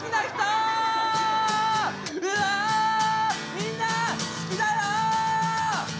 「みんな好きだよ！」